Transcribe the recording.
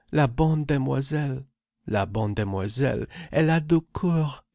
La bonne demoiselle—la bonne demoiselle—elle a du coeur.